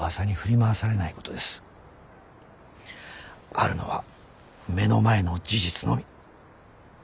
あるのは目の前の事実のみ。